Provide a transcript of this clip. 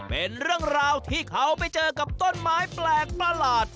เป็นเรื่องราวที่เขาไปเจอกับต้นไม้แปลกประหลาด